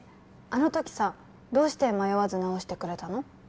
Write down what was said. あの時さどうして迷わず直してくれたの？